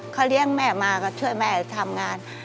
เขาเลี้ยงแม่มาก็ช่วยแม่ทำงาน